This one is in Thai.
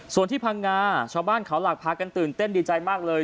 ส่วนที่พังงาชาวบ้านเขาหลักพากันตื่นเต้นดีใจมากเลย